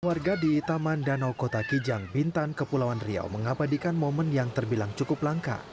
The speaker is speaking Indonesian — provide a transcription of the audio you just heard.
warga di taman danau kota kijang bintan kepulauan riau mengabadikan momen yang terbilang cukup langka